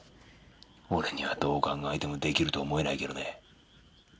俺にはどう考えても出来ると思えないけどね。